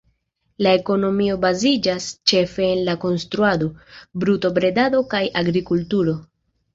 La ekonomio baziĝas ĉefe en la konstruado, brutobredado kaj agrikulturo.